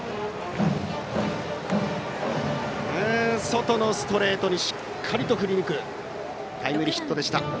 外のストレートにしっかりと振り抜くタイムリーヒットでした。